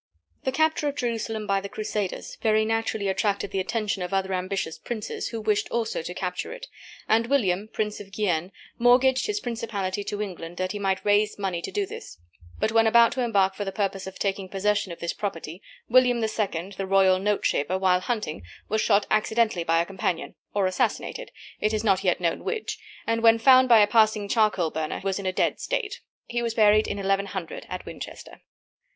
The capture of Jerusalem by the Crusaders very naturally attracted the attention of other ambitious princes who wished also to capture it, and William, Prince of Guienne, mortgaged his principality to England that he might raise money to do this; but when about to embark for the purpose of taking possession of this property, William II., the royal note shaver, while hunting, was shot accidentally by a companion, or assassinated, it is not yet known which, and when found by a passing charcoal burner was in a dead state. He was buried in 1100, at Winchester.